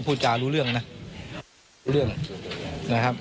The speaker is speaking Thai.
ผู้จารู้เรื่องนะ